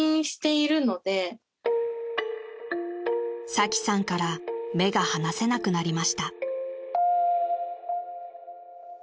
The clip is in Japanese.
［サキさんから目が離せなくなりました］